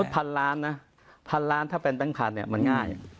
ภาร์ณนะภาร์ณถ้าเป็นแบงค์พันธุ์มันง่าย